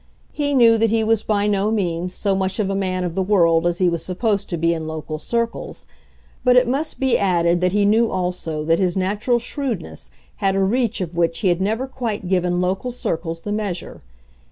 He knew that he was by no means so much of a man of the world as he was supposed to be in local circles; but it must be added that he knew also that his natural shrewdness had a reach of which he had never quite given local circles the measure.